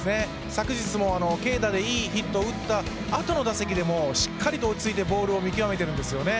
昨日も軽打でいいヒットを打ったあとでもしっかりと落ち着いてボールを見極めてるんですよね。